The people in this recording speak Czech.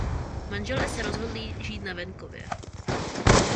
Manželé se rozhodli žít na venkově.